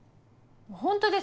ホントです。